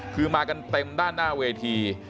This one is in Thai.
คือมากันเต็มด้านหน้าเวที